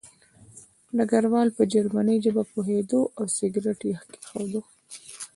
ډګروال په جرمني ژبه پوهېده او سګرټ یې کېښود